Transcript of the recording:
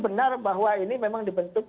benar bahwa ini memang dibentuk